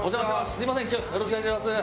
すみません今日はよろしくお願いします。